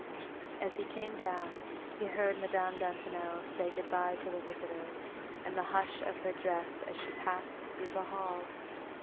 As he came down, he heard Madame Dantonel say good bye to the visitor, and the hush of her dress as she passed through the hall.